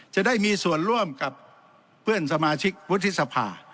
จะได้มีส่วนร่วมกับเพื่อนสมาชิกวุฒิสภา